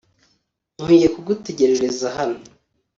nkwiye kugutegereza hano